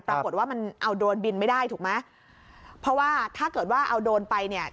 ปรากฏว่ามันเอาโดรนบินไม่ได้ถูกไหมเพราะว่าถ้าเกิดว่าเอาโดรนไปเนี่ย